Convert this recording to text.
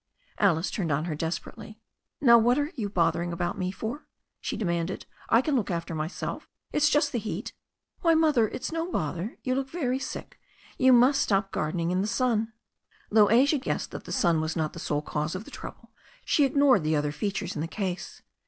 Alice turned on her desperately. "Now what are you bothering about me for?" she de* manded. "I can look after myself. It's just the heat." "Why, Mother, it's no bother. You look very sick. You must stop gardening in the sun." Though Asia guessed that the sun was not the sole cause of the trouble, she ignored the other features in the case.